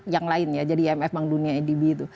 yang lain ya jadi imf bank dunia adb itu